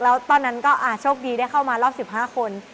แล้วตอนนั้นก็โชคดีได้เข้ามารอบ๑๕คน